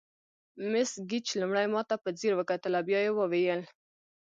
مس ګیج لومړی ماته په ځیر وکتل او بیا یې وویل.